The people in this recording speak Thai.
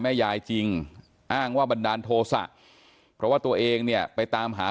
แม่ยายจริงอ้างว่าบันดาลโทษะเพราะว่าตัวเองเนี่ยไปตามหา